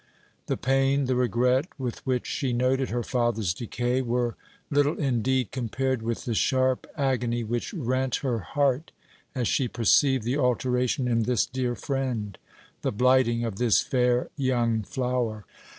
The pain, the regret, with which she noted her father's decay were little indeed compared with the sharp agony which rent her heart as she perceived the alteration in this dear friend, the blighting of this fair young flower.